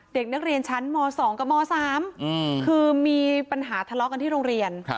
เด็กนักเรียนชั้นม๒กับม๓คือมีปัญหาทะเลาะกันที่โรงเรียน